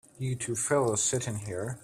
You two fellas sit in here.